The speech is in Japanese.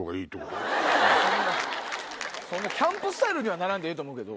そんなキャンプスタイルにはならんでええと思うけど。